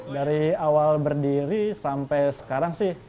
dari awal berdiri sampai sekarang sih